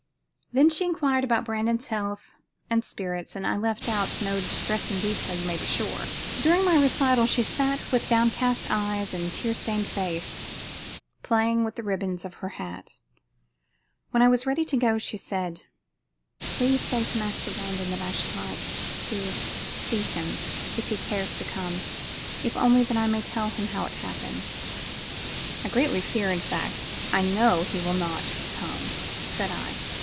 She then inquired about Brandon's health and spirits, and I left out no distressing detail you may be sure. During my recital she sat with downcast eyes and tear stained face, playing with the ribbons of her hat. When I was ready to go she said: "Please say to Master Brandon I should like to see him, if he cares to come, if only that I may tell him how it happened." "I greatly fear, in fact, I know he will not come," said I.